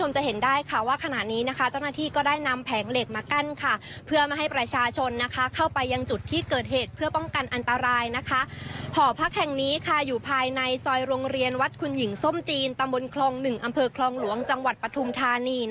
เชิญครับเชิญค่ะ